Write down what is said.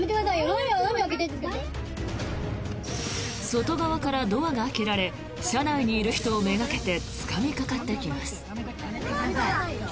外側からドアが開けられ車内にいる人をめがけてつかみかかってきます。